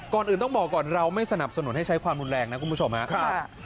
ก่อนอื่นต้องบอกก่อนเราไม่สนับสนุนให้ใช้ความรุนแรงนะคุณผู้ชมครับ